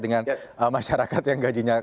dengan masyarakat yang gajinya